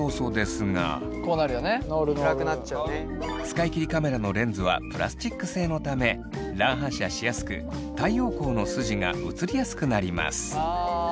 使い切りカメラのレンズはプラスチック製のため乱反射しやすく太陽光の筋が写りやすくなります。